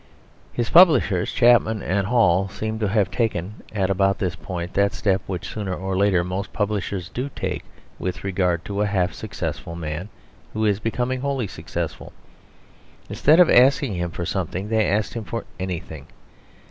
His publishers, Chapman and Hall, seem to have taken at about this point that step which sooner or later most publishers do take with regard to a half successful man who is becoming wholly successful. Instead of asking him for something, they asked him for anything.